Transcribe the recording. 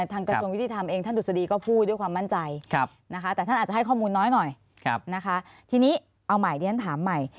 ทางกระทรวงยุติธรรมเองท่านดุษฎีก็พูดด้วยความมั่นใจ